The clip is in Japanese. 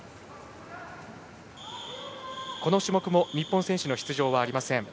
この種目も日本選手の出場はありません。